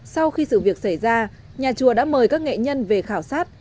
sau khi sự việc xảy ra nhà chùa đã mời các nghệ nhân về khảo sát